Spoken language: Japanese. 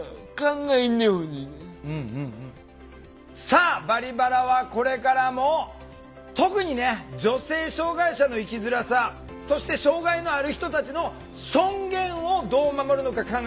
さあ「バリバラ」はこれからも特にね女性障害者の生きづらさそして障害のある人たちの尊厳をどう守るのか考えていきます。